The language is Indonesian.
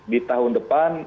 di tahun depan